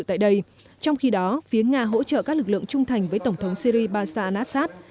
trong khi đó phía nga hỗ trợ các lực lượng trung thành với tổng thống syri basa anasat